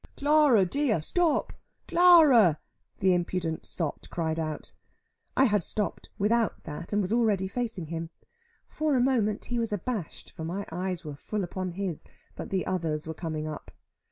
"Clara dear, stop, Clara!" the impudent sot cried out. I had stopped without that, and was already facing him. For a moment he was abashed, for my eyes were full upon his; but the others were coming up.